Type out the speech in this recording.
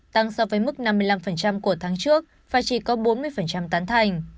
tăng so với mức năm mươi năm của tháng trước và chỉ có bốn mươi tán thành